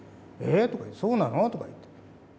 「えぇっそうなの？」とか言って。